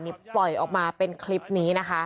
นี่ปล่อยออกมาเป็นคลิปนี้นะคะ